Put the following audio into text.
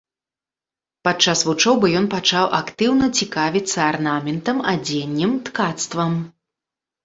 Падчас вучобы ён пачаў актыўна цікавіцца арнаментам, адзеннем, ткацтвам.